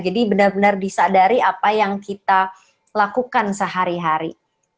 jadi benar benar disadari apa yang kita lakukan sehari hari